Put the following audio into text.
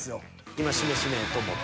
今しめしめと思った？